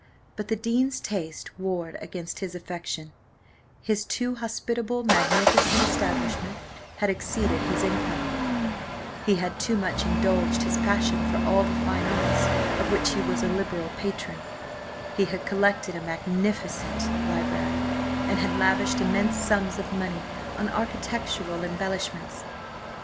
But the dean's taste warred against his affection: his too hospitable, magnificent establishment had exceeded his income; he had too much indulged his passion for all the fine arts, of which he was a liberal patron: he had collected a magnificent library, and had lavished immense sums of money on architectural embellishments.